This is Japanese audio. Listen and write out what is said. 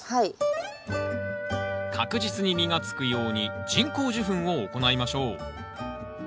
確実に実がつくように人工授粉を行いましょう。